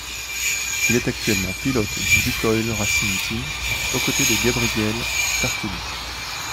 Il est actuellement pilote du Lukoil Racing Team, aux côtés de Gabriele Tarquini.